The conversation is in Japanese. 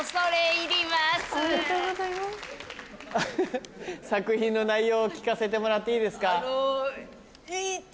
アハハ作品の内容を聞かせてもらっていいですか？